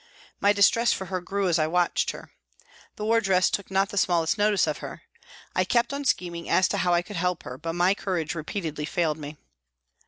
My distress for her grew as I watched her. The wardress took not the smallest notice of her. I kept on scheming as to how I could help her, but my courage repeatedly failed me.